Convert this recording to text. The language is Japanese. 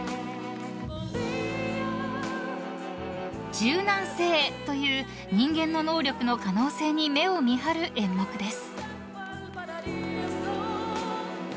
［柔軟性という人間の能力の可能性に目を見張る演目です］